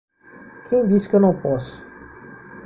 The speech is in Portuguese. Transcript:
Quem disse que eu não posso?